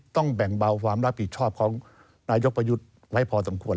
ต้องแบ่งเบาความรับผิดชอบของนายกประยุทธ์ไว้พอสมควร